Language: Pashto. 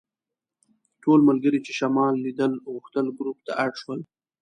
ټول ملګري چې شمال لیدل غوښتل ګروپ ته اډ شول.